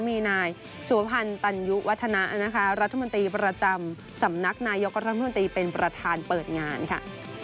มีนายสุพรรณตัญญุวัฒนะนะคะรัฐมนตรีประจำสำนักนายกรัฐมนตรีเป็นประธานเปิดงานค่ะ